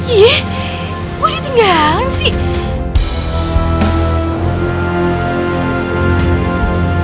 iya gue ditinggalin sih